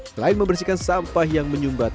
selain membersihkan sampah yang menyumbat